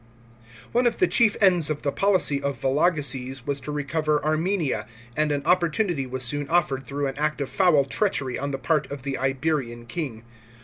One of the chief ends of the policy of Vologeses was to recover Armenia, and an opportunity was soon offered through an act of .foul treachery on tlie part of the Iberian king.